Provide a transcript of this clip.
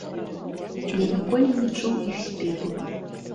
Я ніколі не чуў іх спеваў.